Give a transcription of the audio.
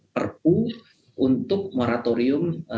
perpu untuk moratorium